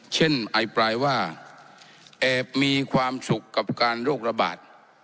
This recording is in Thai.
อภิปรายว่าแอบมีความสุขกับการโรคระบาด